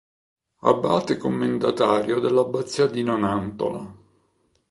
Abate commendatario dell'Abbazia di Nonantola.